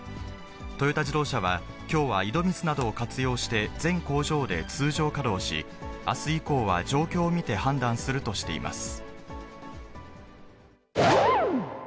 トヨタ自動車は、きょうは井戸水などを活用して、全工場で通常稼働し、あす以降は、状況を見て判断するとしています。